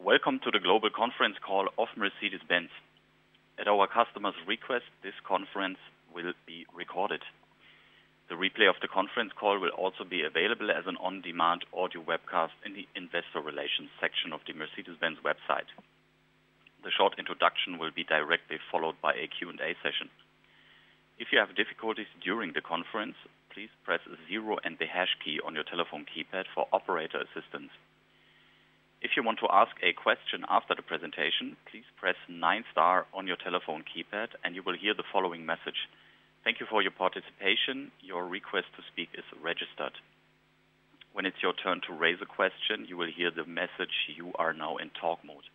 Welcome to the global conference call of Mercedes-Benz. At our customers' request, this conference will be recorded. The replay of the conference call will also be available as an on-demand audio webcast in the investor relations section of the Mercedes-Benz website. The short introduction will be directly followed by a Q&A session. If you have difficulties during the conference, please press zero and the hash key on your telephone keypad for operator assistance. If you want to ask a question after the presentation, please press nine-star on your telephone keypad, and you will hear the following message: "Thank you for your participation. Your request to speak is registered. When it's your turn to raise a question, you will hear the message: "You are now in talk mode."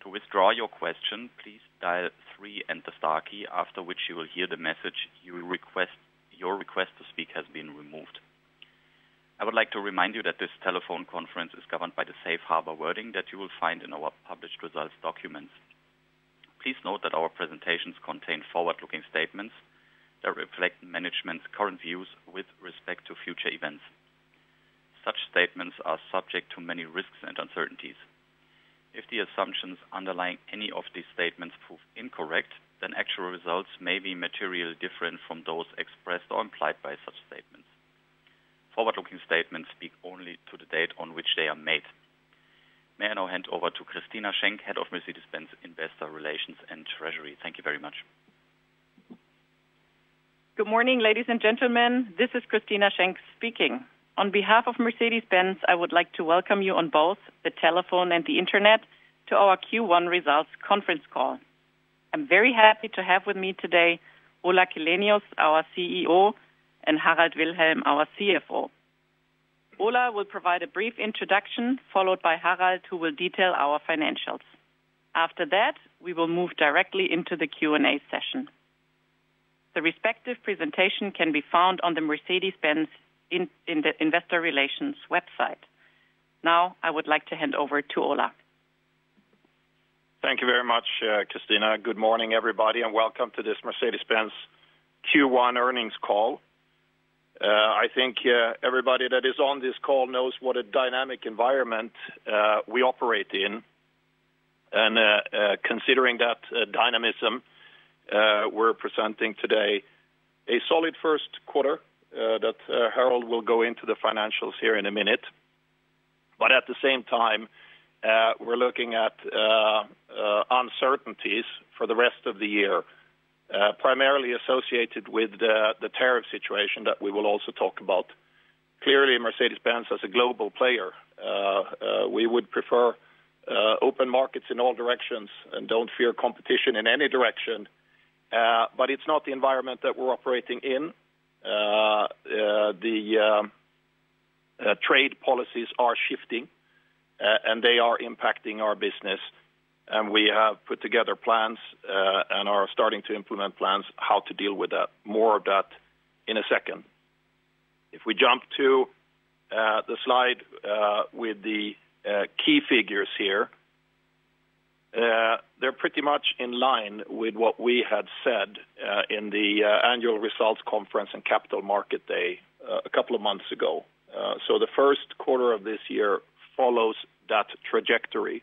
To withdraw your question, please dial three and the star key, after which you will hear the message: "Your request to speak has been removed." I would like to remind you that this telephone conference is governed by the safe harbor wording that you will find in our published results documents. Please note that our presentations contain forward-looking statements that reflect management's current views with respect to future events. Such statements are subject to many risks and uncertainties. If the assumptions underlying any of these statements prove incorrect, then actual results may be materially different from those expressed or implied by such statements. Forward-looking statements speak only to the date on which they are made. May I now hand over to Christina Schenck, Head of Mercedes-Benz Investor Relations and Treasury? Thank you very much. Good morning, ladies and gentlemen. This is Christina Schenck speaking. On behalf of Mercedes-Benz, I would like to welcome you on both the telephone and the internet to our Q1 results conference call. I'm very happy to have with me today Ola Källenius, our CEO, and Harald Wilhelm, our CFO. Ola will provide a brief introduction, followed by Harald, who will detail our financials. After that, we will move directly into the Q&A session. The respective presentation can be found on the Mercedes-Benz Investor Relations website. Now, I would like to hand over to Ola. Thank you very much, Christina. Good morning, everybody, and welcome to this Mercedes-Benz Q1 earnings call. I think everybody that is on this call knows what a dynamic environment we operate in. Considering that dynamism, we're presenting today a solid first quarter that Harald will go into the financials here in a minute. At the same time, we're looking at uncertainties for the rest of the year, primarily associated with the tariff situation that we will also talk about. Clearly, Mercedes-Benz, as a global player, we would prefer open markets in all directions and don't fear competition in any direction. It is not the environment that we're operating in. The trade policies are shifting, and they are impacting our business. We have put together plans and are starting to implement plans how to deal with that. More of that in a second. If we jump to the slide with the key figures here, they're pretty much in line with what we had said in the annual results conference and capital market day a couple of months ago. The first quarter of this year follows that trajectory.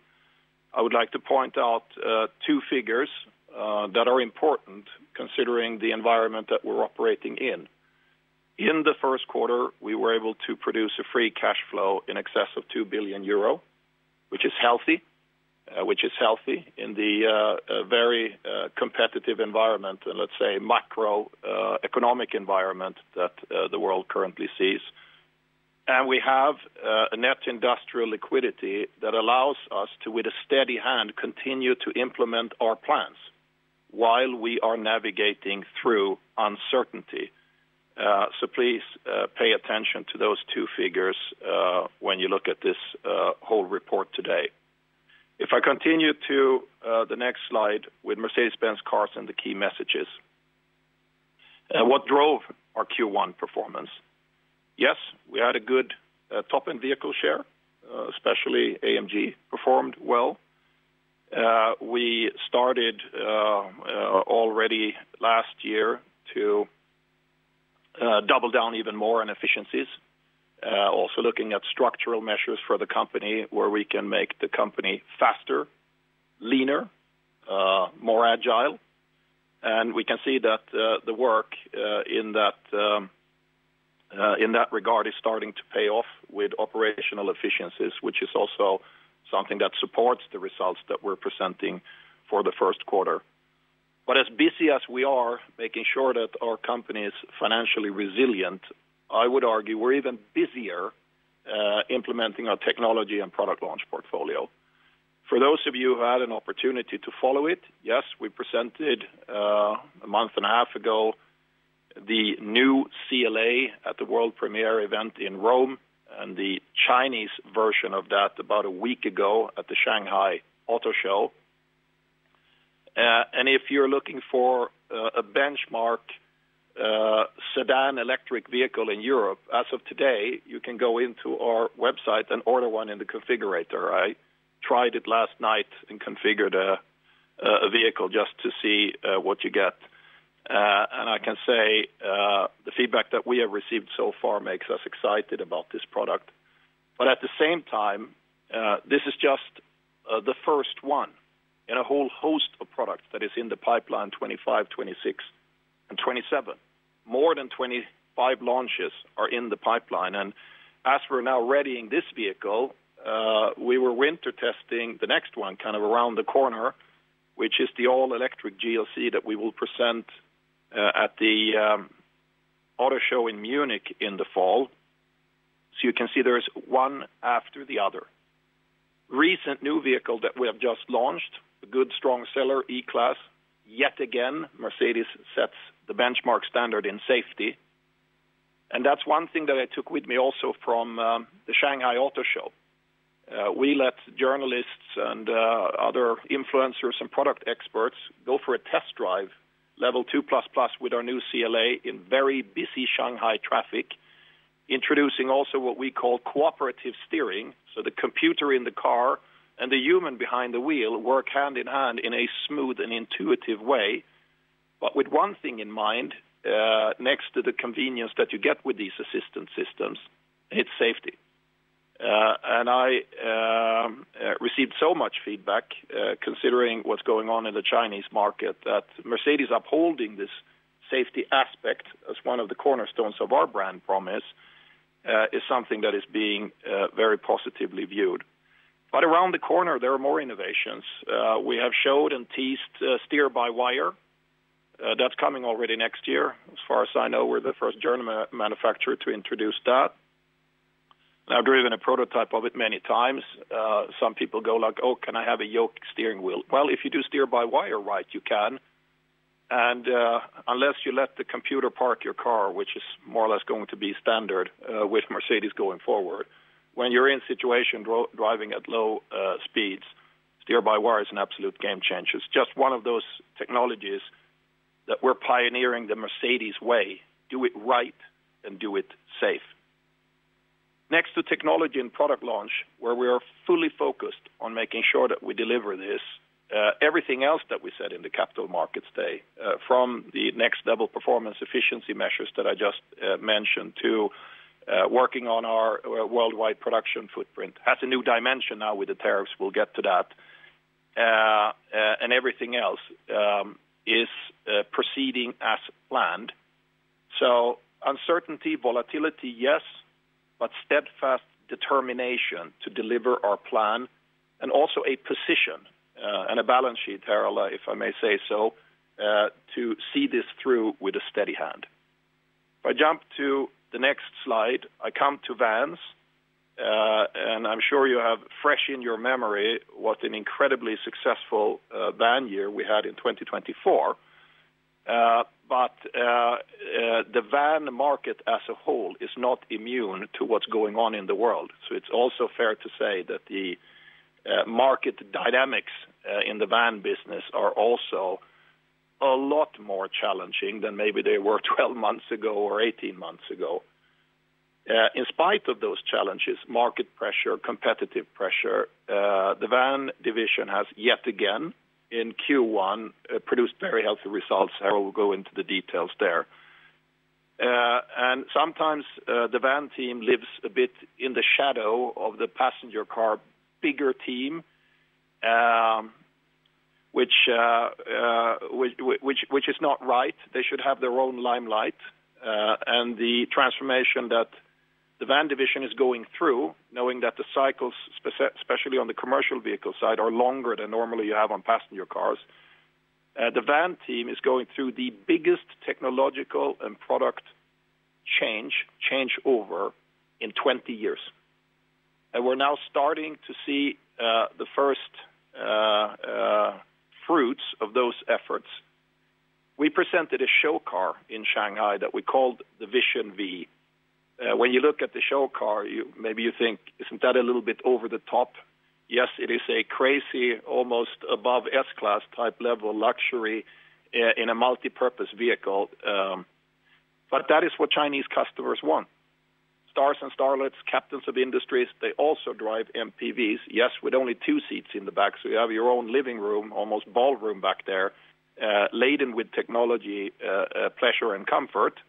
I would like to point out two figures that are important considering the environment that we're operating in. In the first quarter, we were able to produce a free cash flow in excess of €2 billion, which is healthy, which is healthy in the very competitive environment and, let's say, macroeconomic environment that the world currently sees. We have a net industrial liquidity that allows us to, with a steady hand, continue to implement our plans while we are navigating through uncertainty. Please pay attention to those two figures when you look at this whole report today. If I continue to the next slide with Mercedes-Benz cars and the key messages, what drove our Q1 performance? Yes, we had a good top-end vehicle share, especially AMG performed well. We started already last year to double down even more on efficiencies, also looking at structural measures for the company where we can make the company faster, leaner, more agile. We can see that the work in that regard is starting to pay off with operational efficiencies, which is also something that supports the results that we're presenting for the first quarter. As busy as we are making sure that our company is financially resilient, I would argue we're even busier implementing our technology and product launch portfolio. For those of you who had an opportunity to follow it, yes, we presented a month and a half ago the new CLA at the world premiere event in Rome and the Chinese version of that about a week ago at the Shanghai Auto Show. If you're looking for a benchmark sedan electric vehicle in Europe, as of today, you can go into our website and order one in the configurator. I tried it last night and configured a vehicle just to see what you get. I can say the feedback that we have received so far makes us excited about this product. At the same time, this is just the first one in a whole host of products that is in the pipeline for 2025, 2026, and 2027. More than 25 launches are in the pipeline. As we're now readying this vehicle, we were winter testing the next one kind of around the corner, which is the all-electric GLC that we will present at the auto show in Munich in the fall. You can see there's one after the other. Recent new vehicle that we have just launched, a good strong seller, E-Class. Yet again, Mercedes sets the benchmark standard in safety. That's one thing that I took with me also from the Shanghai Auto Show. We let journalists and other influencers and product experts go for a test drive, Level 2++ with our new CLA in very busy Shanghai traffic, introducing also what we call cooperative steering. The computer in the car and the human behind the wheel work hand in hand in a smooth and intuitive way. With one thing in mind next to the convenience that you get with these assistance systems, it's safety. I received so much feedback considering what's going on in the Chinese market that Mercedes upholding this safety aspect as one of the cornerstones of our brand promise is something that is being very positively viewed. Around the corner, there are more innovations. We have showed and teased steer by wire. That's coming already next year. As far as I know, we're the first German manufacturer to introduce that. I've driven a prototype of it many times. Some people go like, "Oh, can I have a yoke steering wheel?" If you do steer by wire right, you can. Unless you let the computer park your car, which is more or less going to be standard with Mercedes going forward, when you're in situation driving at low speeds, steer by wire is an absolute game changer. It's just one of those technologies that we're pioneering the Mercedes way: do it right and do it safe. Next to technology and product launch, where we are fully focused on making sure that we deliver this, everything else that we said in the capital markets day, from the next-level performance efficiency measures that I just mentioned to working on our worldwide production footprint, has a new dimension now with the tariffs. We'll get to that. Everything else is proceeding as planned. Uncertainty, volatility, yes, but steadfast determination to deliver our plan and also a position and a balance sheet, Harald, if I may say so, to see this through with a steady hand. If I jump to the next slide, I come to vans, and I'm sure you have fresh in your memory what an incredibly successful van year we had in 2024. The van market as a whole is not immune to what's going on in the world. It is also fair to say that the market dynamics in the van business are also a lot more challenging than maybe they were 12 months ago or 18 months ago. In spite of those challenges, market pressure, competitive pressure, the van division has yet again in Q1 produced very healthy results. I will go into the details there. Sometimes the van team lives a bit in the shadow of the passenger car bigger team, which is not right. They should have their own limelight. The transformation that the van division is going through, knowing that the cycles, especially on the commercial vehicle side, are longer than normally you have on passenger cars, the van team is going through the biggest technological and product changeover in 20 years. We are now starting to see the first fruits of those efforts. We presented a show car in Shanghai that we called the Vision V. When you look at the show car, maybe you think, "Isn't that a little bit over the top?" Yes, it is a crazy, almost above S-Class type level luxury in a multipurpose vehicle. That is what Chinese customers want. Stars and starlets, captains of industries, they also drive MPVs. Yes, with only two seats in the back. You have your own living room, almost ballroom back there, laden with technology, pleasure, and comfort.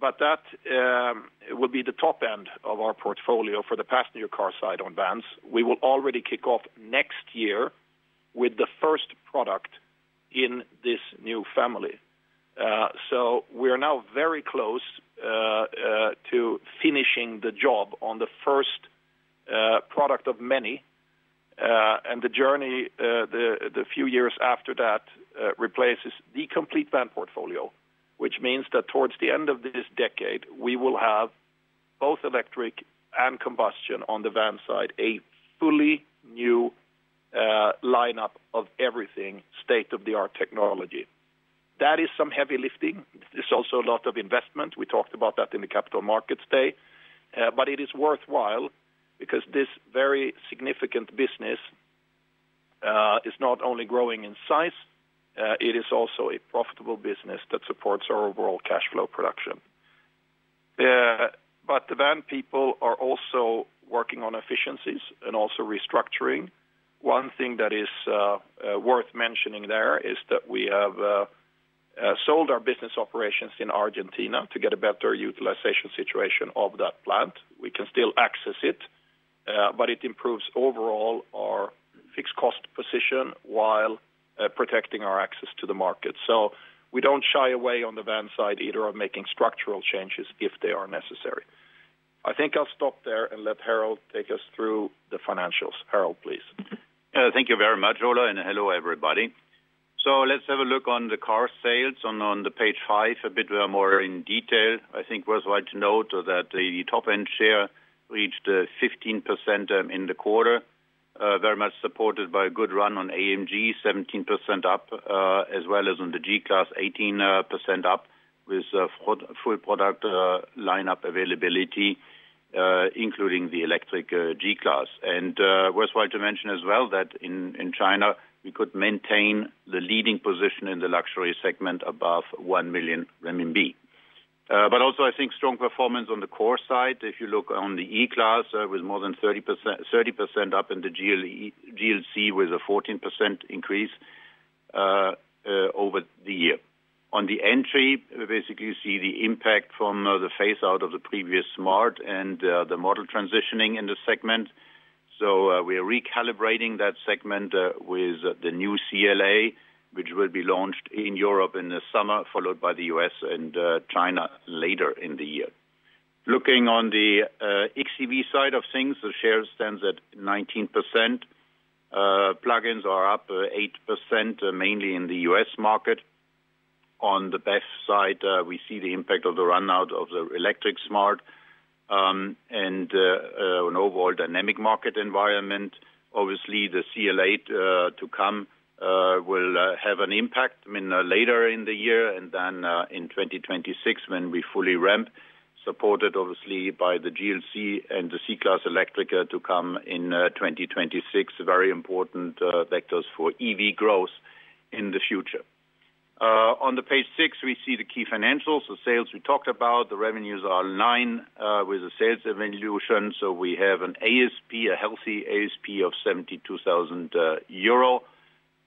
That will be the top end of our portfolio for the passenger car side on vans. We will already kick off next year with the first product in this new family. We are now very close to finishing the job on the first product of many. The journey the few years after that replaces the complete van portfolio, which means that towards the end of this decade, we will have both electric and combustion on the van side, a fully new lineup of everything, state-of-the-art technology. That is some heavy lifting. There is also a lot of investment. We talked about that in the capital markets day. It is worthwhile because this very significant business is not only growing in size, it is also a profitable business that supports our overall cash flow production. The van people are also working on efficiencies and also restructuring. One thing that is worth mentioning there is that we have sold our business operations in Argentina to get a better utilization situation of that plant. We can still access it, but it improves overall our fixed cost position while protecting our access to the market. We do not shy away on the van side either of making structural changes if they are necessary. I think I will stop there and let Harald take us through the financials. Harald, please. Thank you very much, Ola, and hello, everybody. Let's have a look on the car sales on page five, a bit more in detail. I think worthwhile to note that the top-end share reached 15% in the quarter, very much supported by a good run on AMG, 17% up, as well as on the G-Class, 18% up with full product lineup availability, including the electric G-Class. Worthwhile to mention as well that in China, we could maintain the leading position in the luxury segment above 1 million renminbi. Also, I think strong performance on the core side. If you look on the E-Class with more than 30% up and the GLC with a 14% increase over the year. On the entry, we basically see the impact from the phase-out of the previous Smart and the model transitioning in the segment. We are recalibrating that segment with the new CLA, which will be launched in Europe in the summer, followed by the U.S. and China later in the year. Looking on the XEV side of things, the share stands at 19%. Plug-ins are up 8%, mainly in the U.S. market. On the BEV side, we see the impact of the run-out of the electric Smart and an overall dynamic market environment. Obviously, the CLA to come will have an impact later in the year and then in 2026 when we fully ramp, supported obviously by the GLC and the C-Class Electric to come in 2026, very important vectors for EV growth in the future. On page six, we see the key financials. The sales we talked about, the revenues are €9 billion with a sales evolution. We have an ASP, a healthy ASP of €72,000.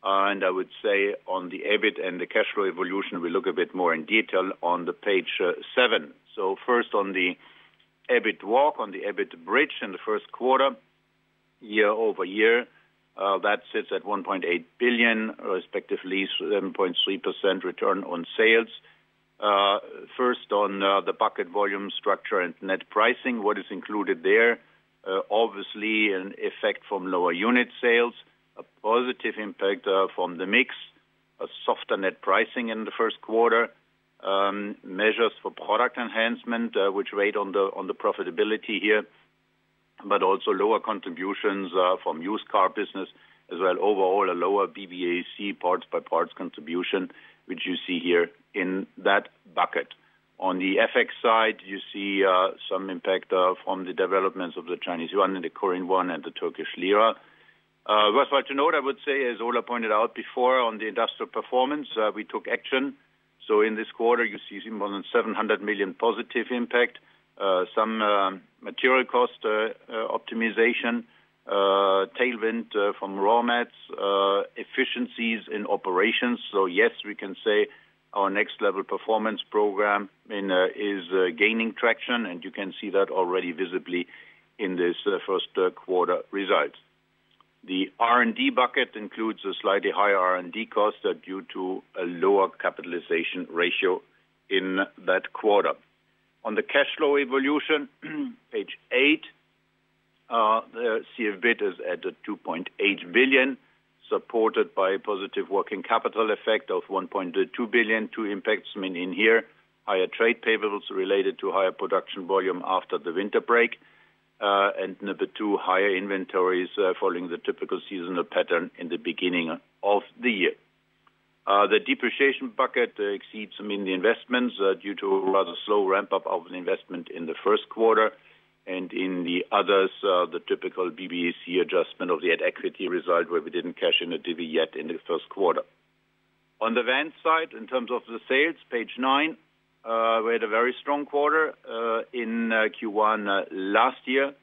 I would say on the EBIT and the cash flow evolution, we look a bit more in detail on page seven. First on the EBIT walk, on the EBIT bridge in the first quarter, year over year, that sits at €1.8 billion, respectively 7.3% return on sales. First on the bucket volume structure and net pricing, what is included there, obviously an effect from lower unit sales, a positive impact from the mix, a softer net pricing in the first quarter, measures for product enhancement, which rate on the profitability here, but also lower contributions from used car business as well. Overall, a lower BBAC parts by parts contribution, which you see here in that bucket. On the FX side, you see some impact from the developments of the Chinese yuan and the Korean won and the Turkish lira. Worthwhile to note, I would say, as Ola pointed out before on the industrial performance, we took action. In this quarter, you see more than €700 million positive impact, some material cost optimization, tailwind from raw mats, efficiencies in operations. Yes, we can say our Next Level Performance program is gaining traction, and you can see that already visibly in this first quarter results. The R&D bucket includes a slightly higher R&D cost due to a lower capitalization ratio in that quarter. On the cash flow evolution, page eight, the CFBIT is at €2.8 billion, supported by a positive working capital effect of €1.2 billion. Two impacts in here, higher trade payables related to higher production volume after the winter break. Number two, higher inventories following the typical seasonal pattern in the beginning of the year. The depreciation bucket exceeds some in the investments due to a rather slow ramp-up of the investment in the first quarter. In the others, the typical BBAC adjustment of the net equity result where we did not cash in a divvy yet in the first quarter. On the van side, in terms of the sales, page nine, we had a very strong quarter in Q1 last year.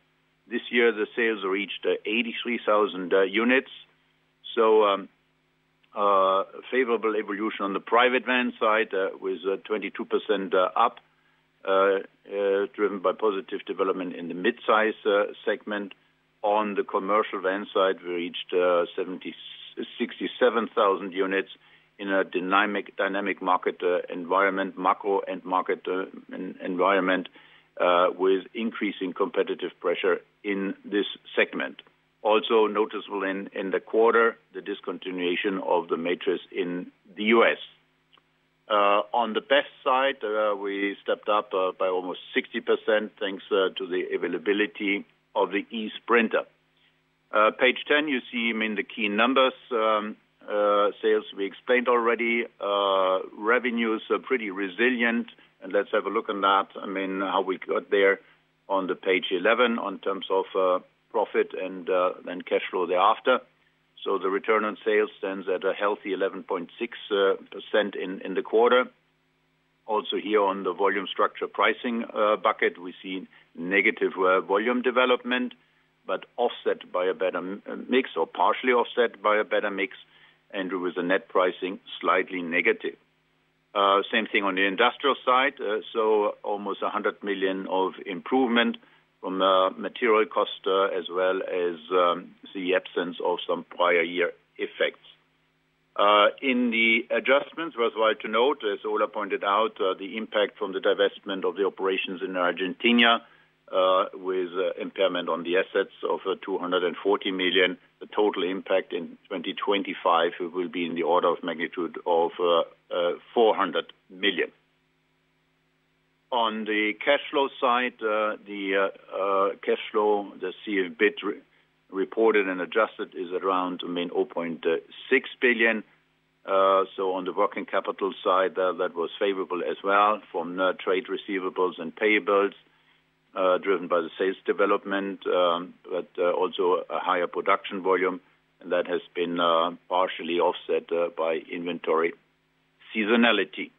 This year, the sales reached 83,000 units. Favorable evolution on the private van side with 22% up, driven by positive development in the mid-size segment. On the commercial van side, we reached 67,000 units in a dynamic market environment, macro and market environment with increasing competitive pressure in this segment. Also noticeable in the quarter, the discontinuation of the Matrix in the U.S. On the BEV side, we stepped up by almost 60% thanks to the availability of the eSprinter. Page 10, you see in the key numbers, sales we explained already. Revenues are pretty resilient. I mean, let's have a look on that, how we got there on page 11 in terms of profit and then cash flow thereafter. The return on sales stands at a healthy 11.6% in the quarter. Also here on the volume structure pricing bucket, we see negative volume development, but offset by a better mix or partially offset by a better mix, and with the net pricing slightly negative. Same thing on the industrial side. Almost €100 million of improvement from material cost as well as the absence of some prior year effects. In the adjustments, worthwhile to note, as Ola pointed out, the impact from the divestment of the operations in Argentina with impairment on the assets of €240 million. The total impact in 2025 will be in the order of magnitude of €400 million. On the cash flow side, the cash flow, the CFBIT reported and adjusted is around €600 million. On the working capital side, that was favorable as well from trade receivables and payables driven by the sales development, but also a higher production volume that has been partially offset by inventory seasonality.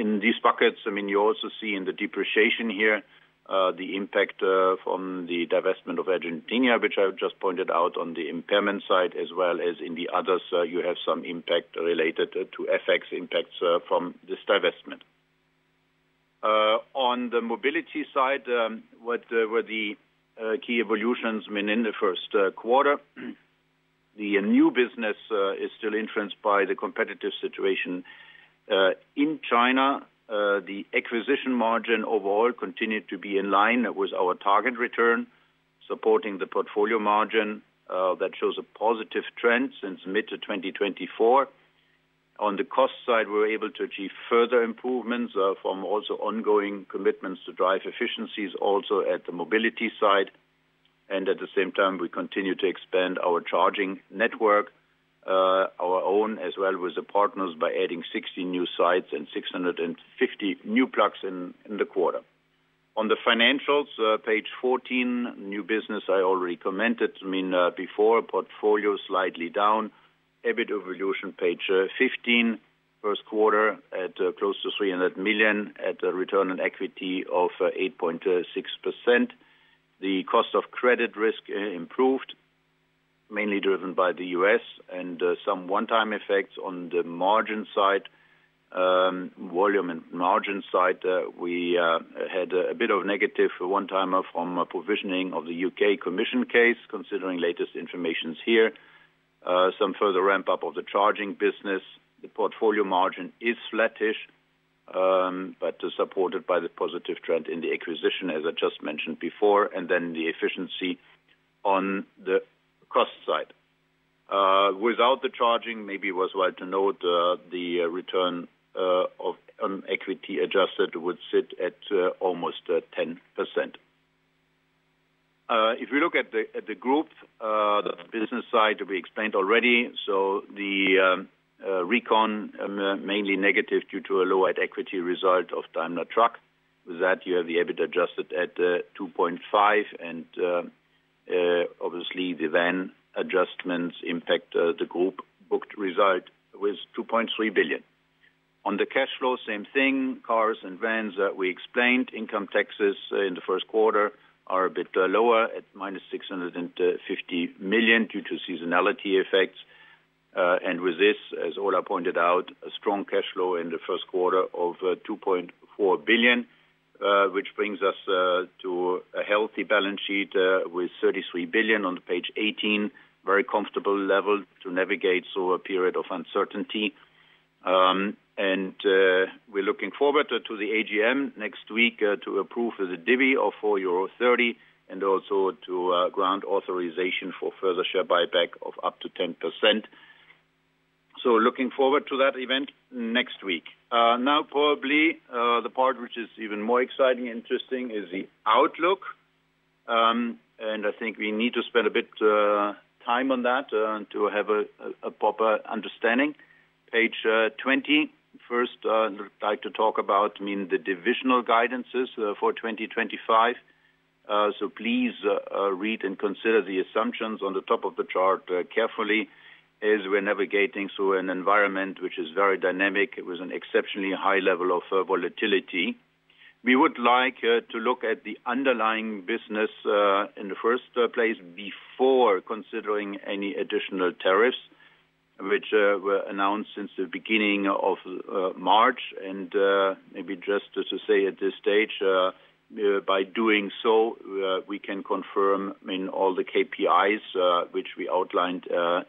In these buckets, I mean, you also see in the depreciation here the impact from the divestment of Argentina, which I just pointed out on the impairment side, as well as in the others, you have some impact related to FX impacts from this divestment. On the mobility side, what were the key evolutions in the first quarter? The new business is still influenced by the competitive situation in China. The acquisition margin overall continued to be in line with our target return, supporting the portfolio margin. That shows a positive trend since mid-2024. On the cost side, we were able to achieve further improvements from also ongoing commitments to drive efficiencies also at the mobility side. At the same time, we continue to expand our charging network, our own as well with the partners by adding 60 new sites and 650 new plugs in the quarter. On the financials, page 14, new business I already commented before, portfolio slightly down. EBIT evolution, page 15, first quarter at close to €300 million at a return on equity of 8.6%. The cost of credit risk improved, mainly driven by the U.S. and some one-time effects on the margin side. Volume and margin side, we had a bit of negative one-timer from provisioning of the U.K. commission case, considering latest informations here. Some further ramp-up of the charging business. The portfolio margin is flattish, but supported by the positive trend in the acquisition, as I just mentioned before. The efficiency on the cost side. Without the charging, maybe it was worthwhile to note the return on equity adjusted would sit at almost 10%. If we look at the group, the business side we explained already. The recon mainly negative due to a low-end equity result of Daimler Truck. With that, you have the EBIT adjusted at €2.5 billion. Obviously, the van adjustments impact the group booked result with €2.3 billion. On the cash flow, same thing, cars and vans that we explained. Income taxes in the first quarter are a bit lower at minus 650 million due to seasonality effects. With this, as Ola pointed out, a strong cash flow in the first quarter of 2.4 billion, which brings us to a healthy balance sheet with 33 billion on page 18, a very comfortable level to navigate through a period of uncertainty. We are looking forward to the AGM next week to approve the divvy of 4.30 euro and also to grant authorization for further share buyback of up to 10%. Looking forward to that event next week. Now, probably the part which is even more exciting and interesting is the outlook. I think we need to spend a bit of time on that to have a proper understanding. Page 20, first I would like to talk about, I mean, the divisional guidances for 2025. Please read and consider the assumptions on the top of the chart carefully as we're navigating through an environment which is very dynamic with an exceptionally high level of volatility. We would like to look at the underlying business in the first place before considering any additional tariffs, which were announced since the beginning of March. Maybe just to say at this stage, by doing so, we can confirm all the KPIs which we outlined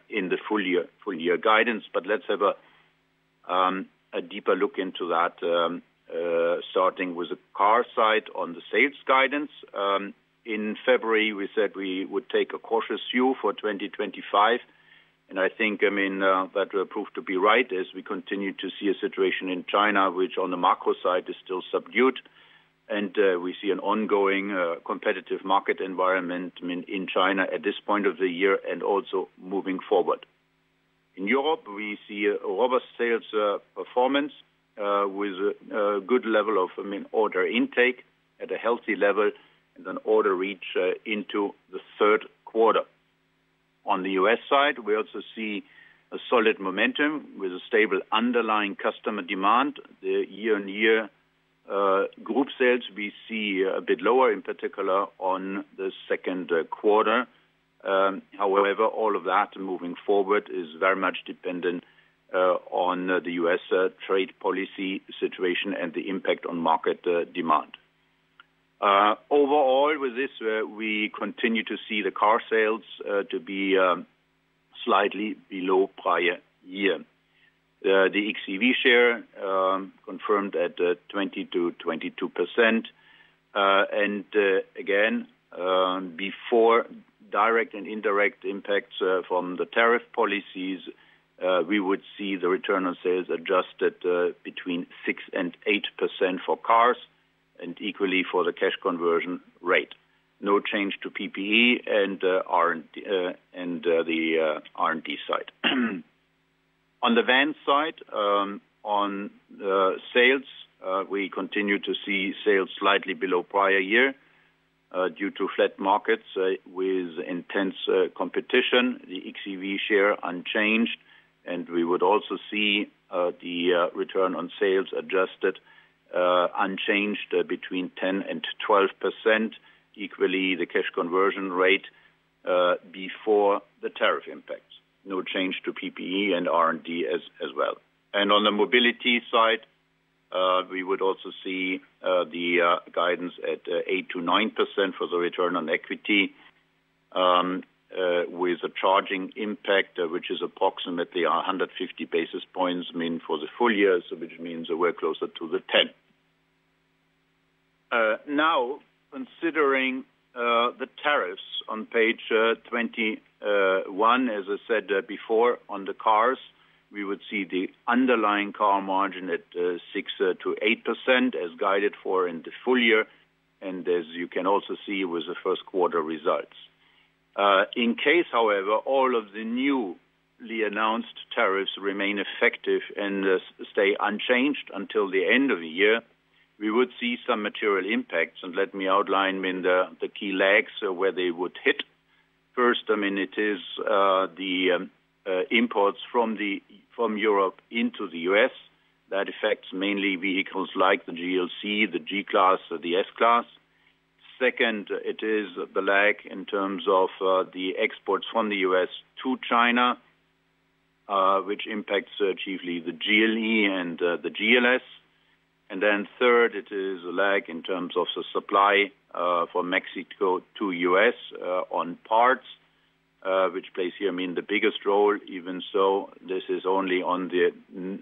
in the full year guidance. Let's have a deeper look into that, starting with the car side on the sales guidance. In February, we said we would take a cautious view for 2025. I think, I mean, that will prove to be right as we continue to see a situation in China, which on the macro side is still subdued. We see an ongoing competitive market environment in China at this point of the year and also moving forward. In Europe, we see robust sales performance with a good level of order intake at a healthy level and an order reach into the third quarter. On the U.S. side, we also see solid momentum with stable underlying customer demand. The year-on-year group sales, we see a bit lower, in particular on the second quarter. However, all of that moving forward is very much dependent on the U.S. trade policy situation and the impact on market demand. Overall, with this, we continue to see the car sales to be slightly below prior year. The XEV share confirmed at 20-22%. Again, before direct and indirect impacts from the tariff policies, we would see the return on sales adjusted between 6-8% for cars and equally for the cash conversion rate. No change to PPE and the R&D side. On the van side, on sales, we continue to see sales slightly below prior year due to flat markets with intense competition. The XEV share unchanged. We would also see the return on sales adjusted unchanged between 10-12%, equally the cash conversion rate before the tariff impacts. No change to PPE and R&D as well. On the mobility side, we would also see the guidance at 8-9% for the return on equity with a charging impact, which is approximately 150 basis points, meaning for the full year, which means we are closer to the 10. Now, considering the tariffs on page 21, as I said before on the cars, we would see the underlying car margin at 6-8% as guided for in the full year. As you can also see with the first quarter results. In case, however, all of the newly announced tariffs remain effective and stay unchanged until the end of the year, we would see some material impacts. Let me outline the key lags where they would hit. First, I mean, it is the imports from Europe into the U.S. that affects mainly vehicles like the GLC, the G-Class, the S-Class. Second, it is the lag in terms of the exports from the U.S. to China, which impacts chiefly the GLE and the GLS. Third, it is a lag in terms of the supply from Mexico to the U.S. on parts, which plays here, I mean, the biggest role. Even so, this is only on the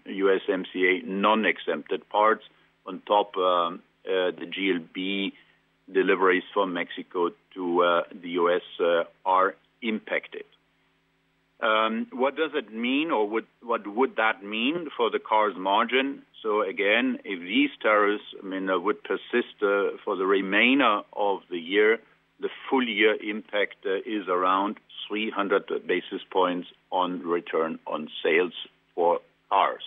USMCA non-exempted parts. On top, the GLB deliveries from Mexico to the U.S. are impacted. What does it mean or what would that mean for the car's margin? Again, if these tariffs, I mean, would persist for the remainder of the year, the full year impact is around 300 basis points on return on sales for cars.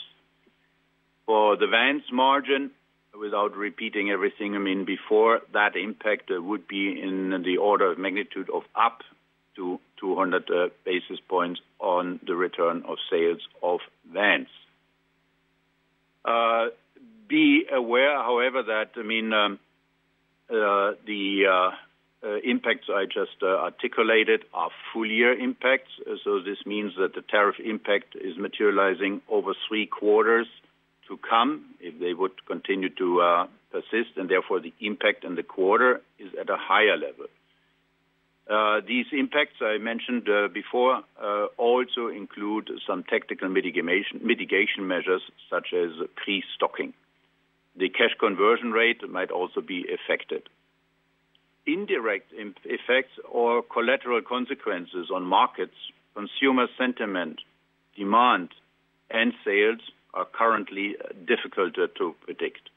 For the van's margin, without repeating everything, before that impact would be in the order of magnitude of up to 200 basis points on the return on sales of vans. Be aware, however, that the impacts I just articulated are full year impacts. This means that the tariff impact is materializing over three quarters to come if they would continue to persist. Therefore, the impact in the quarter is at a higher level. These impacts I mentioned before also include some technical mitigation measures such as pre-stocking. The cash conversion rate might also be affected. Indirect effects or collateral consequences on markets, consumer sentiment, demand, and sales are currently difficult to predict.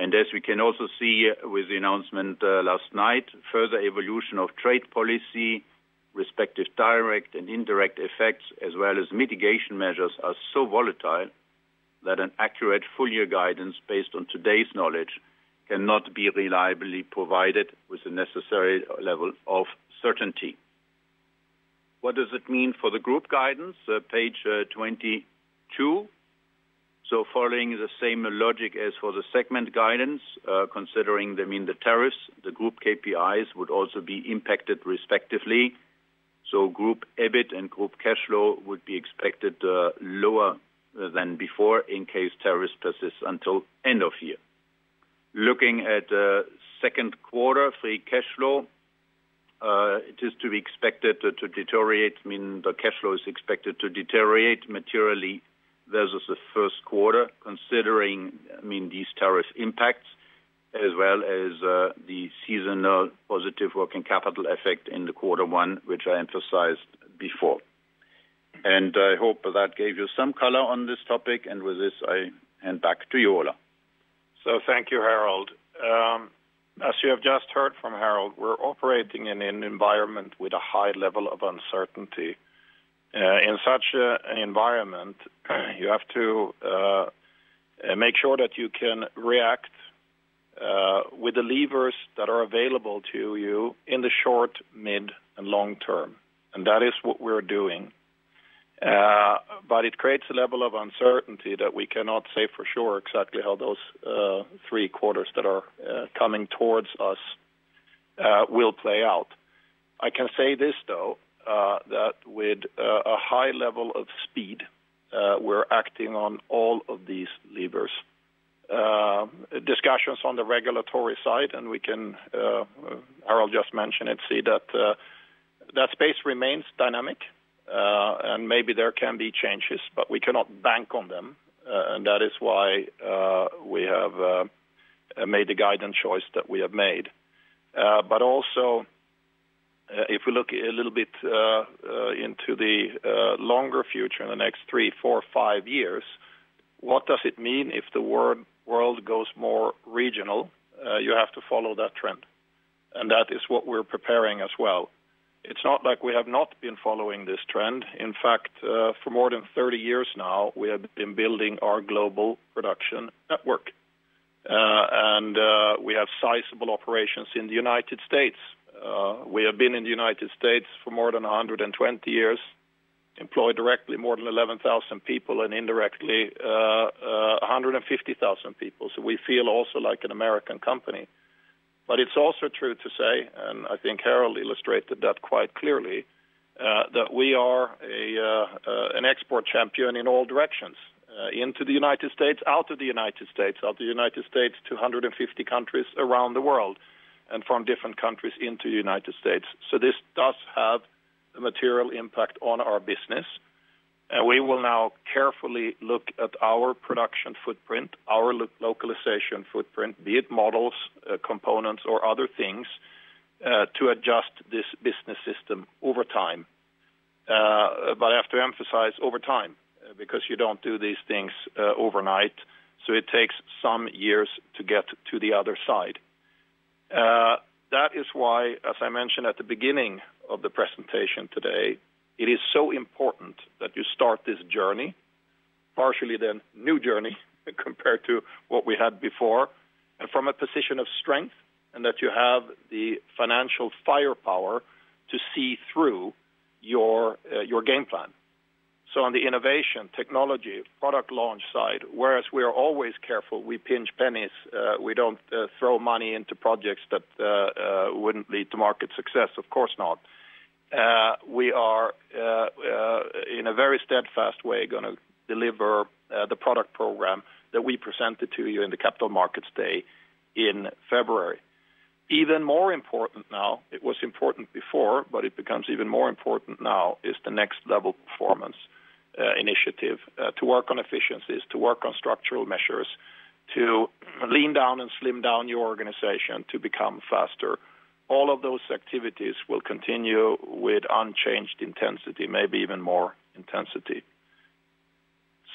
As we can also see with the announcement last night, further evolution of trade policy, respective direct and indirect effects, as well as mitigation measures are so volatile that an accurate full year guidance based on today's knowledge cannot be reliably provided with the necessary level of certainty. What does it mean for the group guidance, page 22? Following the same logic as for the segment guidance, considering, I mean, the tariffs, the group KPIs would also be impacted respectively. Group EBIT and group cash flow would be expected lower than before in case tariffs persist until end of year. Looking at second quarter free cash flow, it is to be expected to deteriorate. I mean, the cash flow is expected to deteriorate materially versus the first quarter, considering, I mean, these tariff impacts as well as the seasonal positive working capital effect in quarter one, which I emphasized before. I hope that gave you some color on this topic. With this, I hand back to you, Ola. Thank you, Harald. As you have just heard from Harald, we're operating in an environment with a high level of uncertainty. In such an environment, you have to make sure that you can react with the levers that are available to you in the short, mid, and long term. That is what we're doing. It creates a level of uncertainty that we cannot say for sure exactly how those three quarters that are coming towards us will play out. I can say this, though, that with a high level of speed, we're acting on all of these levers. Discussions on the regulatory side, and we can, Harald just mentioned, see that that space remains dynamic. Maybe there can be changes, but we cannot bank on them. That is why we have made the guidance choice that we have made. If we look a little bit into the longer future in the next three, four, five years, what does it mean if the world goes more regional? You have to follow that trend. That is what we're preparing as well. It's not like we have not been following this trend. In fact, for more than 30 years now, we have been building our global production network. We have sizable operations in the United States. We have been in the United States for more than 120 years, employed directly more than 11,000 people and indirectly 150,000 people. We feel also like an American company. It is also true to say, and I think Harald illustrated that quite clearly, that we are an export champion in all directions into the United States, out of the United States, out of the United States, to 150 countries around the world, and from different countries into the United States. This does have a material impact on our business. We will now carefully look at our production footprint, our localization footprint, be it models, components, or other things to adjust this business system over time. I have to emphasize over time because you do not do these things overnight. It takes some years to get to the other side. That is why, as I mentioned at the beginning of the presentation today, it is so important that you start this journey, partially the new journey compared to what we had before, and from a position of strength and that you have the financial firepower to see through your game plan. On the innovation, technology, product launch side, whereas we are always careful, we pinch pennies. We do not throw money into projects that would not lead to market success, of course not. We are, in a very steadfast way, going to deliver the product program that we presented to you in the Capital Markets Day in February. Even more important now, it was important before, but it becomes even more important now, is the Next Level Performance Initiative to work on efficiencies, to work on structural measures, to lean down and slim down your organization to become faster. All of those activities will continue with unchanged intensity, maybe even more intensity.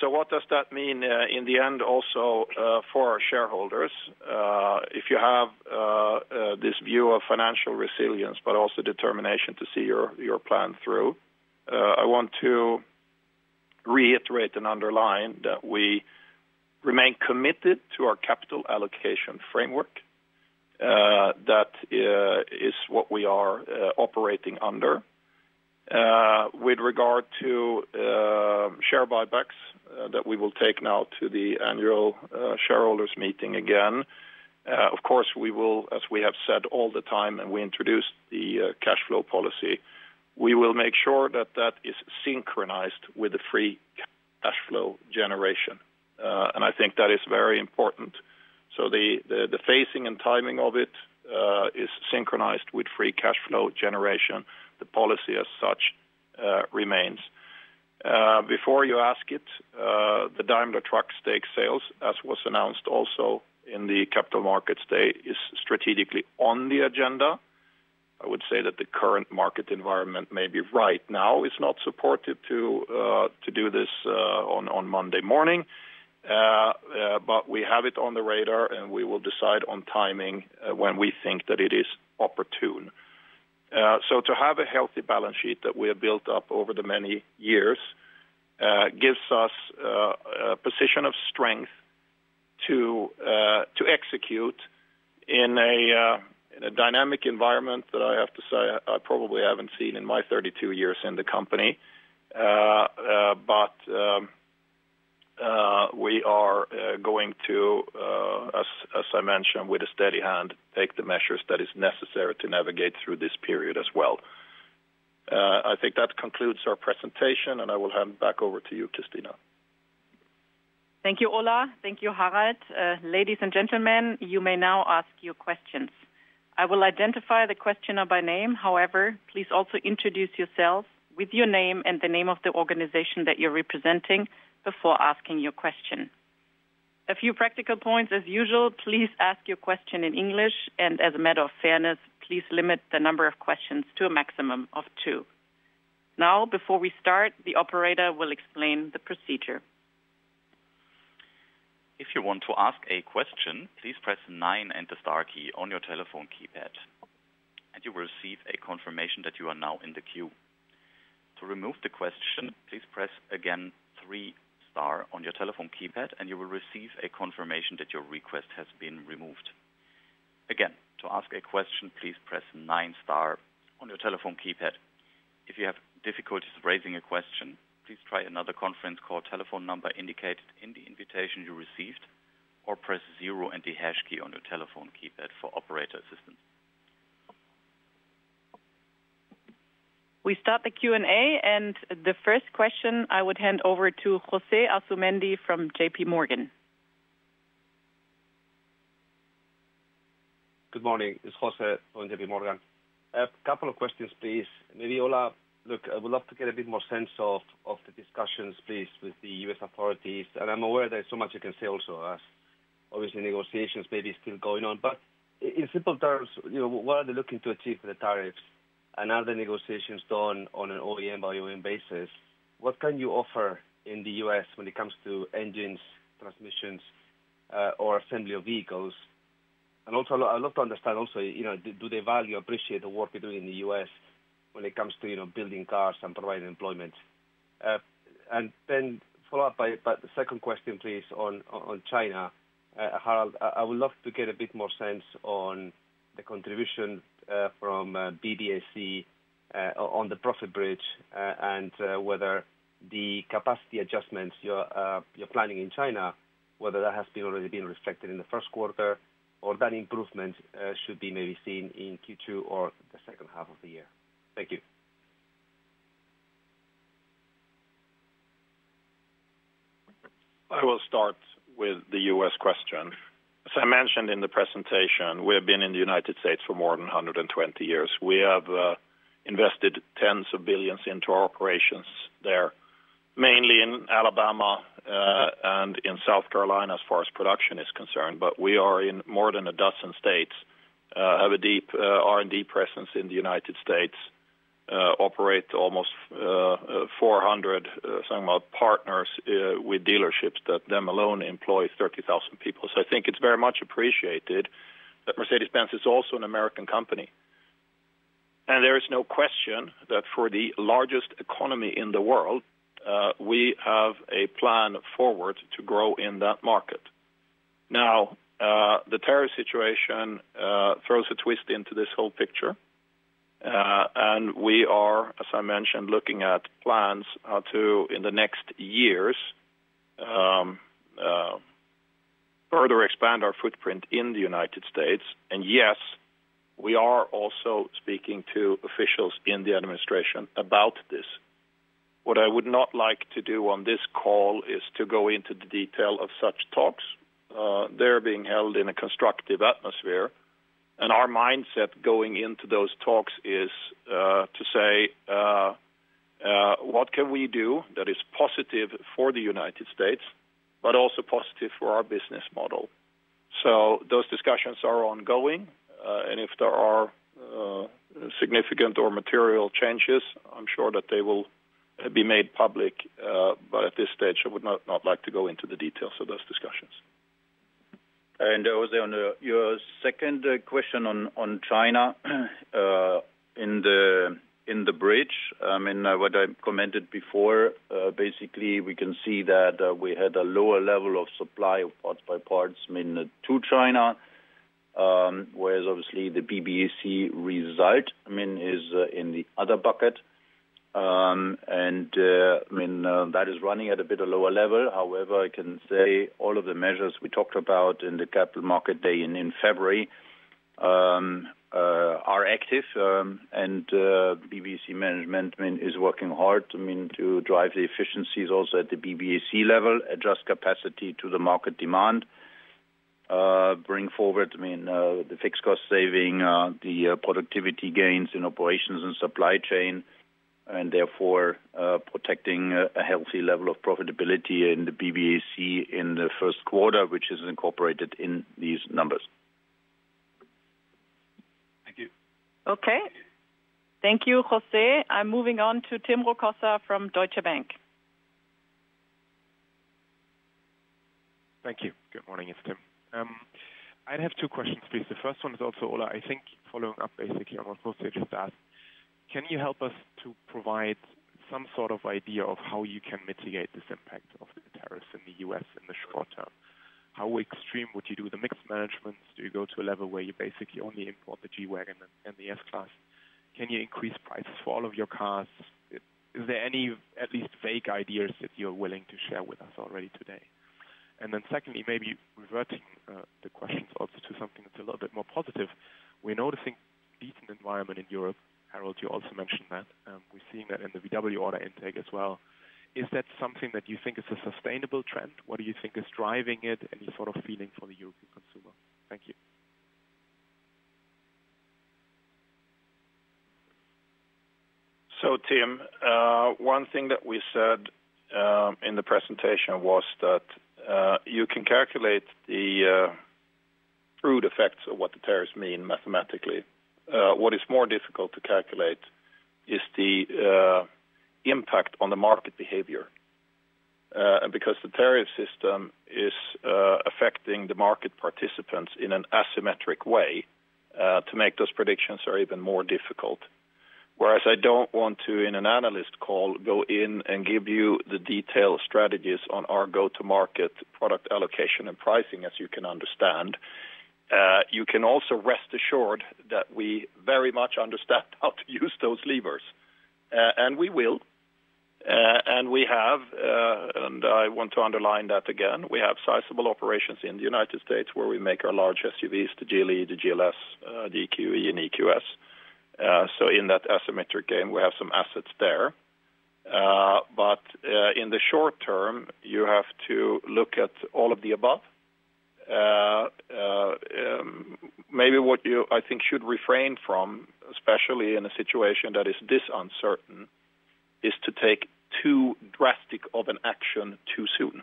What does that mean in the end also for our shareholders? If you have this view of financial resilience, but also determination to see your plan through, I want to reiterate and underline that we remain committed to our capital allocation framework. That is what we are operating under. With regard to share buybacks that we will take now to the annual shareholders meeting again, of course, we will, as we have said all the time, and we introduced the cash flow policy, we will make sure that that is synchronized with the free cash flow generation. I think that is very important. The phasing and timing of it is synchronized with free cash flow generation. The policy as such remains. Before you ask it, the Daimler Truck stake sales, as was announced also in the Capital Markets Day, is strategically on the agenda. I would say that the current market environment, maybe right now, is not supportive to do this on Monday morning. We have it on the radar, and we will decide on timing when we think that it is opportune. To have a healthy balance sheet that we have built up over the many years gives us a position of strength to execute in a dynamic environment that I have to say I probably haven't seen in my 32 years in the company. We are going to, as I mentioned, with a steady hand, take the measures that are necessary to navigate through this period as well. I think that concludes our presentation, and I will hand back over to you, Christina. Thank you, Ola. Thank you, Harald. Ladies and gentlemen, you may now ask your questions. I will identify the questioner by name. However, please also introduce yourself with your name and the name of the organization that you are representing before asking your question. A few practical points as usual. Please ask your question in English. As a matter of fairness, please limit the number of questions to a maximum of two. Now, before we start, the operator will explain the procedure. If you want to ask a question, please press nine and the star key on your telephone keypad. You will receive a confirmation that you are now in the queue. To remove the question, please press again three star on your telephone keypad, and you will receive a confirmation that your request has been removed. Again, to ask a question, please press nine star on your telephone keypad. If you have difficulties raising a question, please try another conference call telephone number indicated in the invitation you received, or press zero and the hash key on your telephone keypad for operator assistance. We start the Q&A, and the first question I would hand over to Josè Asumendi from J.P. Morgan. Good morning. It's Jose from JP Morgan. A couple of questions, please. Maybe Ola, look, I would love to get a bit more sense of the discussions, please, with the U.S. authorities. I am aware there's so much you can say also, as obviously negotiations may be still going on. In simple terms, what are they looking to achieve with the tariffs? Are the negotiations done on an OEM by OEM basis? What can you offer in the U.S. when it comes to engines, transmissions, or assembly of vehicles? I would love to understand also, do they value, appreciate the work you're doing in the U.S. when it comes to building cars and providing employment? Follow up by the second question, please, on China. Harald, I would love to get a bit more sense on the contribution from BBAC on the profit bridge and whether the capacity adjustments you're planning in China, whether that has already been reflected in the first quarter, or that improvement should be maybe seen in Q2 or the second half of the year. Thank you. I will start with the U.S. question. As I mentioned in the presentation, we have been in the United States for more than 120 years. We have invested tens of billions into our operations there, mainly in Alabama and in South Carolina as far as production is concerned. We are in more than a dozen states, have a deep R&D presence in the United States, operate almost 400 partners with dealerships that alone employ 30,000 people. I think it is very much appreciated that Mercedes-Benz is also an American company. There is no question that for the largest economy in the world, we have a plan forward to grow in that market. The tariff situation throws a twist into this whole picture. We are, as I mentioned, looking at plans to, in the next years, further expand our footprint in the United States. Yes, we are also speaking to officials in the administration about this. What I would not like to do on this call is to go into the detail of such talks. They are being held in a constructive atmosphere. Our mindset going into those talks is to say, what can we do that is positive for the United States, but also positive for our business model? Those discussions are ongoing. If there are significant or material changes, I'm sure that they will be made public. At this stage, I would not like to go into the details of those discussions. Jose, on your second question on China in the bridge, I mean, what I commented before, basically, we can see that we had a lower level of supply of parts by parts to China, whereas obviously the BBAC result, I mean, is in the other bucket. I mean, that is running at a bit of lower level. However, I can say all of the measures we talked about in the Capital Markets Day in February are active. BBAC management is working hard, I mean, to drive the efficiencies also at the BBAC level, adjust capacity to the market demand, bring forward, I mean, the fixed cost saving, the productivity gains in operations and supply chain, and therefore protecting a healthy level of profitability in the BBAC in the first quarter, which is incorporated in these numbers. Thank you. Okay. Thank you, José. I'm moving on to Tim Rokossa from Deutsche Bank. Thank you. Good morning. It's Tim. I have two questions, please. The first one is also, Ola, I think following up basically on what José just asked. Can you help us to provide some sort of idea of how you can mitigate this impact of the tariffs in the U.S. in the short term? How extreme would you do the mixed management? Do you go to a level where you basically only import the G-Class and the S-Class? Can you increase prices for all of your cars? Is there any at least vague ideas that you're willing to share with us already today? Secondly, maybe reverting the questions also to something that's a little bit more positive. We're noticing a decent environment in Europe. Harald, you also mentioned that. We're seeing that in the VW order intake as well. Is that something that you think is a sustainable trend? What do you think is driving it? Any sort of feeling for the European consumer? Thank you. Tim, one thing that we said in the presentation was that you can calculate the crude effects of what the tariffs mean mathematically. What is more difficult to calculate is the impact on the market behavior. Because the tariff system is affecting the market participants in an asymmetric way, to make those predictions are even more difficult. Whereas I don't want to, in an analyst call, go in and give you the detailed strategies on our go-to-market product allocation and pricing, as you can understand. You can also rest assured that we very much understand how to use those levers. We will. We have, and I want to underline that again, we have sizable operations in the United States where we make our large SUVs, the GLE, the GLS, the EQE, and EQS. In that asymmetric game, we have some assets there. In the short term, you have to look at all of the above. Maybe what you, I think, should refrain from, especially in a situation that is this uncertain, is to take too drastic of an action too soon.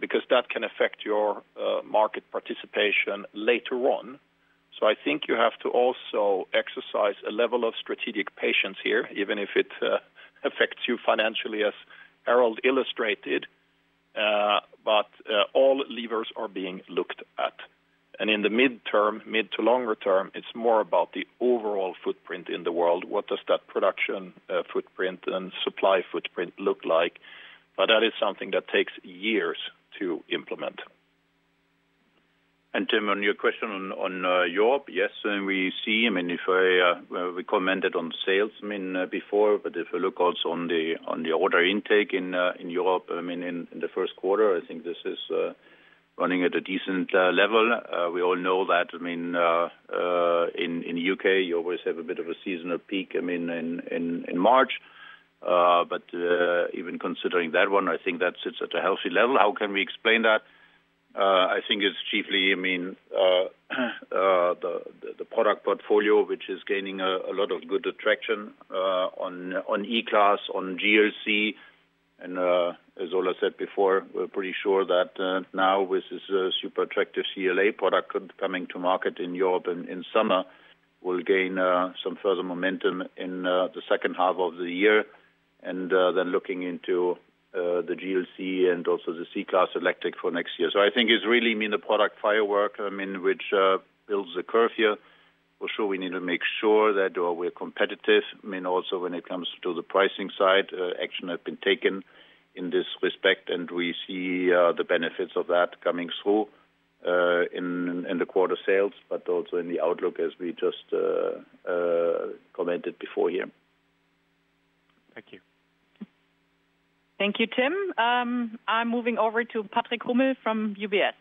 Because that can affect your market participation later on. I think you have to also exercise a level of strategic patience here, even if it affects you financially, as Harald illustrated. All levers are being looked at. In the midterm, mid to longer term, it is more about the overall footprint in the world. What does that production footprint and supply footprint look like? That is something that takes years to implement. Tim, on your question on Europe, yes, we see, I mean, if we commented on sales before, but if we look also on the order intake in Europe, in the first quarter, I think this is running at a decent level. We all know that, I mean, in the U.K., you always have a bit of a seasonal peak in March. Even considering that one, I think that sits at a healthy level. How can we explain that? I think it's chiefly, I mean, the product portfolio, which is gaining a lot of good attraction on E-Class, on GLC. As Ola said before, we're pretty sure that now with this super attractive CLA product coming to market in Europe in summer, we'll gain some further momentum in the second half of the year. Looking into the GLC and also the C-Class Electric for next year, I think it's really, I mean, the product firework, I mean, which builds the curve here. For sure, we need to make sure that we're competitive. I mean, also when it comes to the pricing side, action has been taken in this respect, and we see the benefits of that coming through in the quarter sales, but also in the outlook, as we just commented before here. Thank you. Thank you, Tim. I'm moving over to Patrick Hummel from UBS.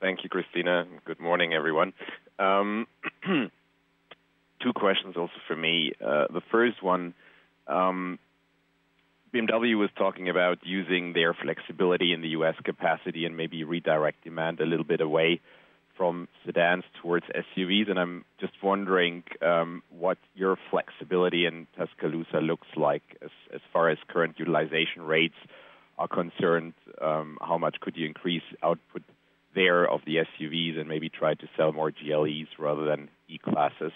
Thank you, Christina. And good morning, everyone. Two questions also for me. The first one, BMW was talking about using their flexibility in the U.S. capacity and maybe redirect demand a little bit away from sedans towards SUVs. I am just wondering what your flexibility in Tuscaloosa looks like as far as current utilization rates are concerned. How much could you increase output there of the SUVs and maybe try to sell more GLEs rather than E-Classes?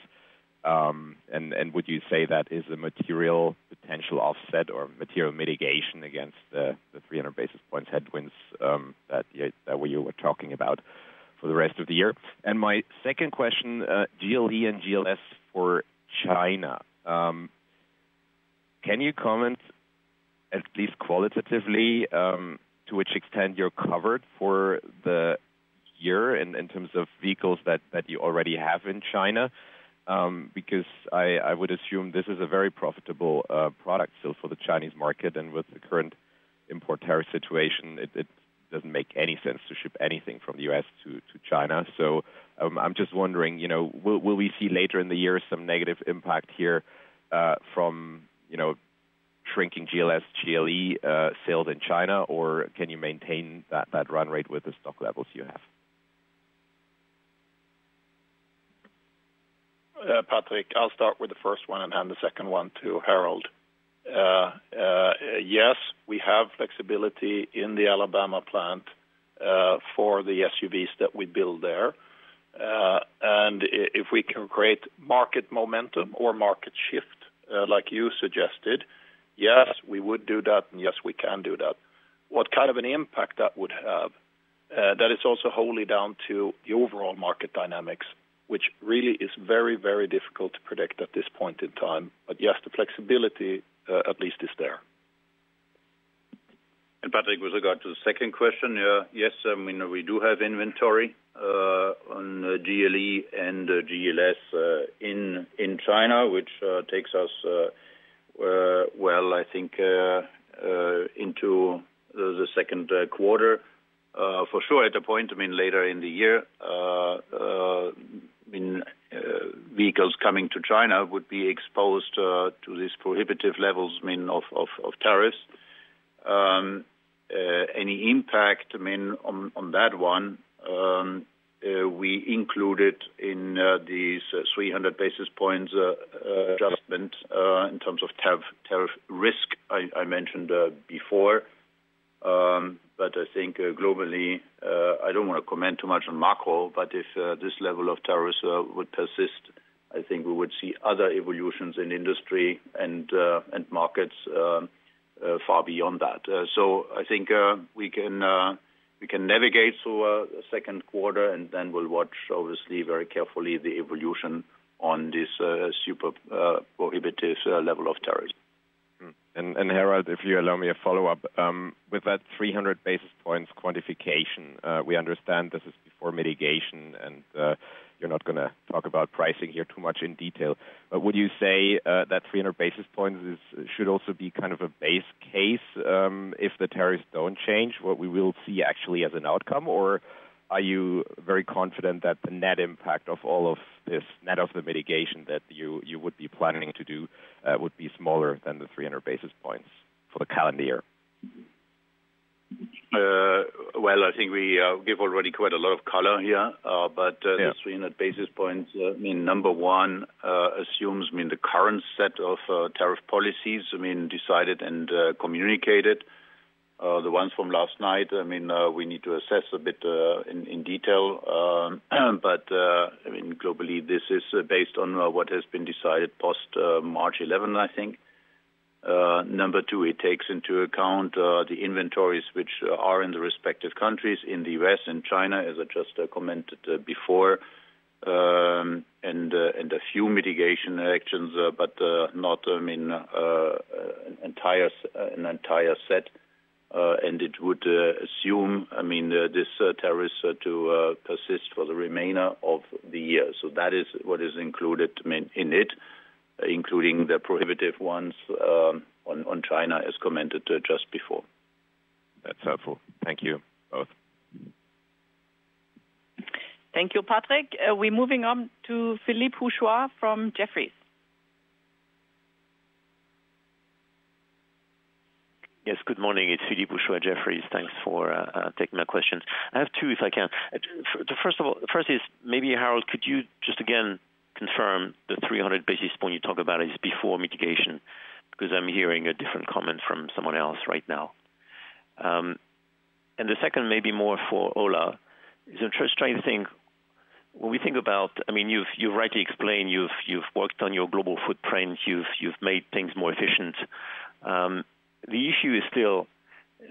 Would you say that is a material potential offset or material mitigation against the 300 basis points headwinds that you were talking about for the rest of the year? My second question, GLE and GLS for China. Can you comment at least qualitatively to which extent you're covered for the year in terms of vehicles that you already have in China? I would assume this is a very profitable product still for the Chinese market. With the current import tariff situation, it does not make any sense to ship anything from the U.S. to China. I am just wondering, will we see later in the year some negative impact here from shrinking GLS, GLE sales in China, or can you maintain that run rate with the stock levels you have? Patrick, I'll start with the first one and hand the second one to Harald. Yes, we have flexibility in the Alabama plant for the SUVs that we build there. If we can create market momentum or market shift like you suggested, yes, we would do that, and yes, we can do that. What kind of an impact that would have, that is also wholly down to the overall market dynamics, which really is very, very difficult to predict at this point in time. Yes, the flexibility at least is there. Patrick, with regard to the second question, yes, I mean, we do have inventory on GLE and GLS in China, which takes us, I think, into the second quarter. For sure, at a point, later in the year, I mean, vehicles coming to China would be exposed to these prohibitive levels of tariffs. Any impact, I mean, on that one, we included in these 300 basis points adjustments in terms of tariff risk I mentioned before. I think globally, I do not want to comment too much on macro, but if this level of tariffs would persist, I think we would see other evolutions in industry and markets far beyond that. I think we can navigate through a second quarter, and then we will watch, obviously, very carefully the evolution on this super prohibitive level of tariffs. Harald, if you allow me a follow-up, with that 300 basis points quantification, we understand this is before mitigation, and you are not going to talk about pricing here too much in detail. Would you say that 300 basis points should also be kind of a base case if the tariffs do not change, what we will see actually as an outcome? Are you very confident that the net impact of all of this, net of the mitigation that you would be planning to do, would be smaller than the 300 basis points for the calendar year? I think we give already quite a lot of color here. The 300 basis points, number one, assumes the current set of tariff policies, decided and communicated. The ones from last night, we need to assess a bit in detail. Globally, this is based on what has been decided post-March 11, I think. Number two, it takes into account the inventories which are in the respective countries in the U.S. and China, as I just commented before, and a few mitigation actions, but not an entire set. It would assume, I mean, these tariffs to persist for the remainder of the year. That is what is included in it, including the prohibitive ones on China, as commented just before. That's helpful. Thank you both. Thank you, Patrick. We're moving on to Philippe Houchois from Jefferies. Yes, good morning. It's Philippe Bouchois, Jefferies. Thanks for taking my questions. I have two, if I can. First of all, first is maybe, Harald, could you just again confirm the 300 basis points you talk about is before mitigation? Because I'm hearing a different comment from someone else right now. The second, maybe more for Ola, is I'm just trying to think. When we think about, I mean, you've rightly explained, you've worked on your global footprint, you've made things more efficient. The issue is still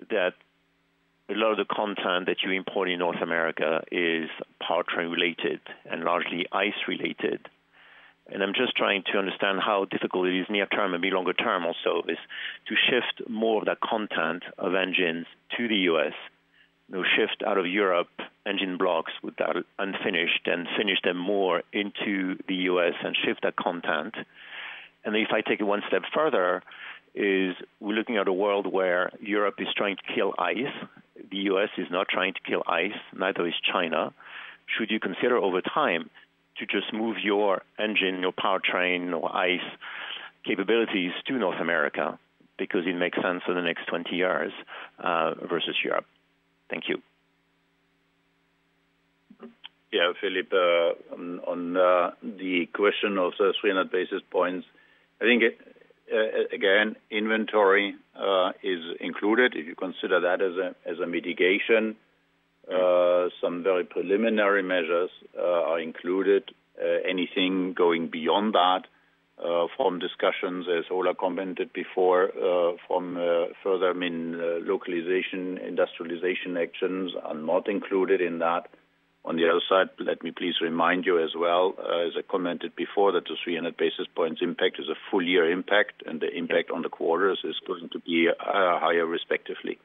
that a lot of the content that you import in North America is powertrain-related and largely ICE-related. I'm just trying to understand how difficult it is near-term and maybe longer-term also to shift more of that content of engines to the U.S., shift out of Europe engine blocks with that unfinished and finish them more into the U.S. and shift that content. If I take it one step further, we're looking at a world where Europe is trying to kill ICE. The U.S. is not trying to kill ICE. Neither is China. Should you consider over time to just move your engine, your powertrain, or ICE capabilities to North America because it makes sense for the next 20 years versus Europe? Thank you. Yeah, Philippe, on the question of the 300 basis points, I think, again, inventory is included. If you consider that as a mitigation, some very preliminary measures are included. Anything going beyond that, from discussions, as Ola commented before, from further, I mean, localization, industrialization actions are not included in that. On the other side, let me please remind you as well, as I commented before, that the 300 basis points impact is a full-year impact, and the impact on the quarters is going to be higher, respectively.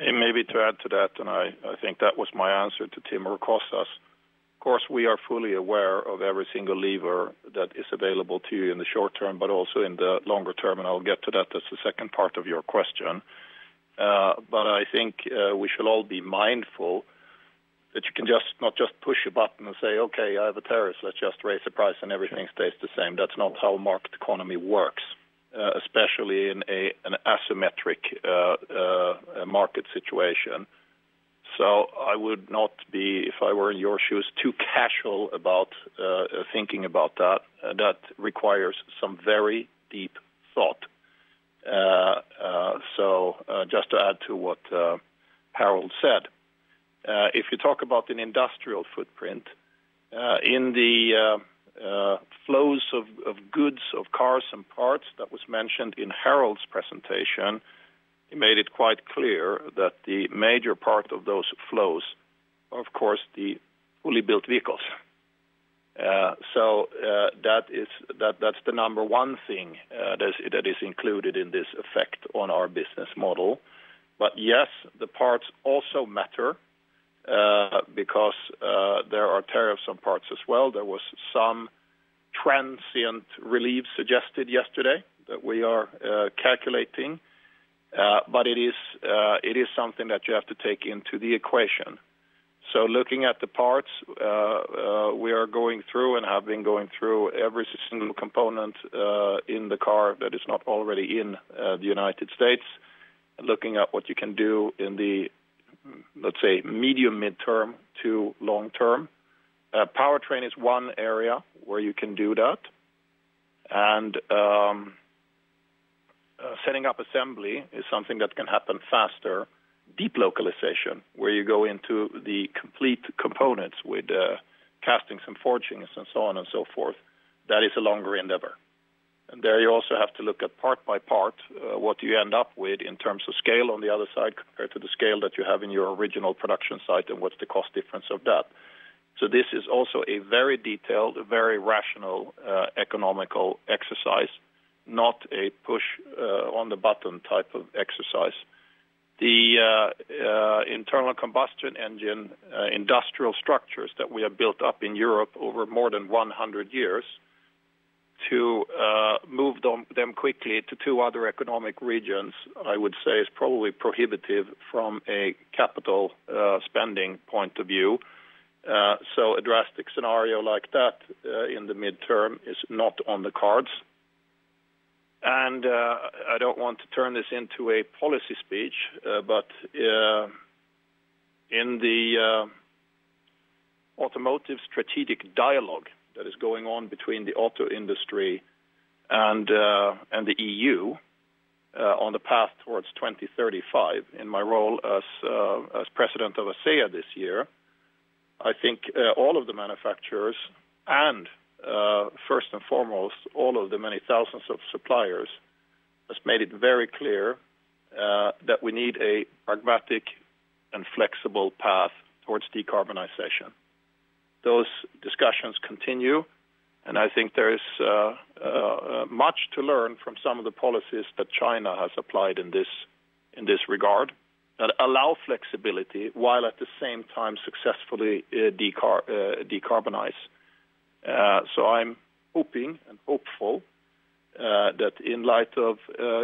Maybe to add to that, and I think that was my answer to Tim Rokossa. Of course, we are fully aware of every single lever that is available to you in the short term, but also in the longer term. I'll get to that. That's the second part of your question. I think we should all be mindful that you can not just push a button and say, "Okay, I have a tariff. Let's just raise the price and everything stays the same." That is not how a market economy works, especially in an asymmetric market situation. I would not be, if I were in your shoes, too casual about thinking about that. That requires some very deep thought. Just to add to what Harald said, if you talk about an industrial footprint, in the flows of goods, of cars and parts that was mentioned in Harald's presentation, he made it quite clear that the major part of those flows, of course, is the fully built vehicles. That is the number one thing that is included in this effect on our business model. Yes, the parts also matter because there are tariffs on parts as well. There was some transient relief suggested yesterday that we are calculating. It is something that you have to take into the equation. Looking at the parts, we are going through and have been going through every single component in the car that is not already in the United States, looking at what you can do in the, let's say, medium-midterm to long-term. Powertrain is one area where you can do that. Setting up assembly is something that can happen faster. Deep localization, where you go into the complete components with castings and forgings and so on and so forth, that is a longer endeavor. There you also have to look at part by part what you end up with in terms of scale on the other side compared to the scale that you have in your original production site and what is the cost difference of that. This is also a very detailed, very rational economical exercise, not a push-on-the-button type of exercise. The internal combustion engine industrial structures that we have built up in Europe over more than 100 years to move them quickly to two other economic regions, I would say, is probably prohibitive from a capital spending point of view. A drastic scenario like that in the midterm is not on the cards. I do not want to turn this into a policy speech, but in the automotive strategic dialogue that is going on between the auto industry and the EU on the path towards 2035, in my role as president of ACEA this year, I think all of the manufacturers and, first and foremost, all of the many thousands of suppliers have made it very clear that we need a pragmatic and flexible path towards decarbonization. Those discussions continue, and I think there is much to learn from some of the policies that China has applied in this regard that allow flexibility while at the same time successfully decarbonize. I'm hoping and hopeful that in light of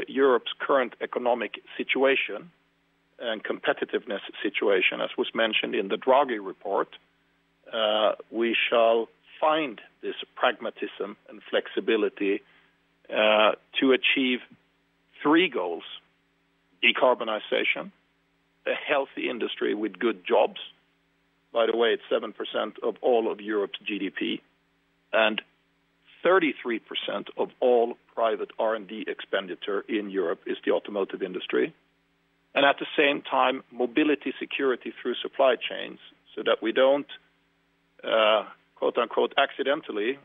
Europe's current economic situation and competitiveness situation, as was mentioned in the Draghi report, we shall find this pragmatism and flexibility to achieve three goals: decarbonization, a healthy industry with good jobs. By the way, it's 7% of all of Europe's GDP, and 33% of all private R&D expenditure in Europe is the automotive industry. At the same time, mobility security through supply chains so that we do not, quote-unquote, accidentally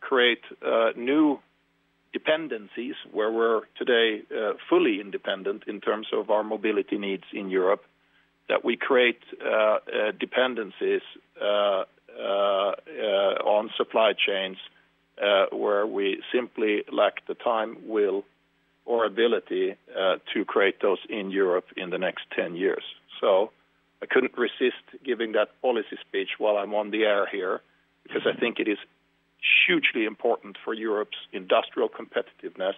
create new dependencies where we are today fully independent in terms of our mobility needs in Europe, that we create dependencies on supply chains where we simply lack the time, will, or ability to create those in Europe in the next 10 years. I could not resist giving that policy speech while I am on the air here because I think it is hugely important for Europe's industrial competitiveness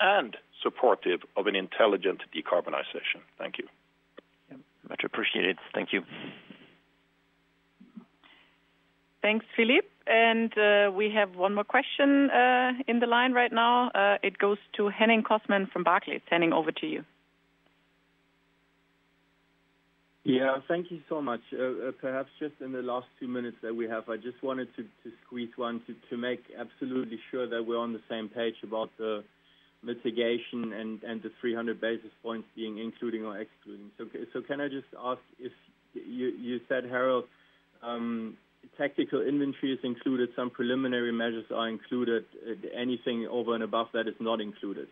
and supportive of an intelligent decarbonization. Thank you. Much appreciated. Thank you. Thanks, Philippe. We have one more question in the line right now. It goes to Henning Cosman from Barclays. Henning, over to you. Yeah, thank you so much. Perhaps just in the last few minutes that we have, I just wanted to squeeze one to make absolutely sure that we're on the same page about the mitigation and the 300 basis points being included or excluded. Can I just ask if you said, Harald, tactical inventories included, some preliminary measures are included. Anything over and above that is not included.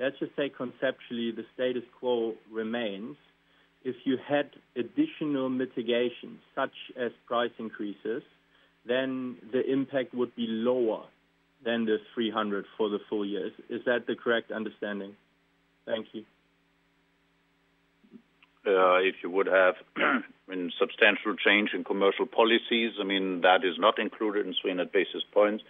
Let's just say conceptually the status quo remains. If you had additional mitigation such as price increases, then the impact would be lower than the 300 for the full years. Is that the correct understanding? Thank you. If you would have a substantial change in commercial policies, I mean, that is not included in 300 basis points.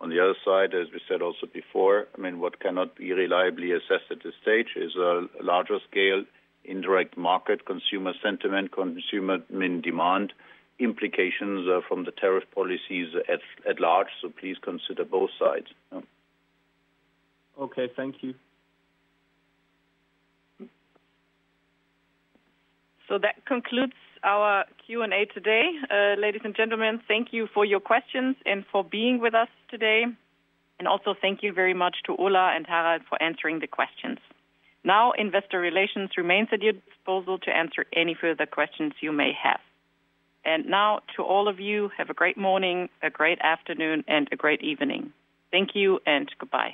On the other side, as we said also before, I mean, what cannot be reliably assessed at this stage is a larger scale indirect market, consumer sentiment, consumer demand, implications from the tariff policies at large. Please consider both sides. Thank you. That concludes our Q&A today. Ladies and gentlemen, thank you for your questions and for being with us today. Thank you very much to Ola and Harald for answering the questions. Investor relations remains at your disposal to answer any further questions you may have. To all of you, have a great morning, a great afternoon, and a great evening. Thank you and goodbye.